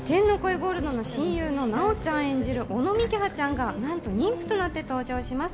ゴールドの親友の奈緒ちゃん演じる尾野幹葉ちゃんがなんと妊婦となって登場します。